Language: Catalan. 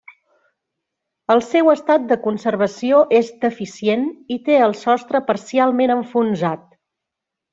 El seu estat de conservació és deficient i té el sostre parcialment enfonsat.